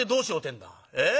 ええ？